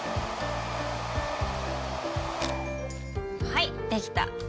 はいできた！